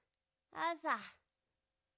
あさ！？